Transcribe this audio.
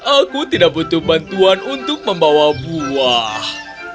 aku tidak butuh bantuan untuk membawa buah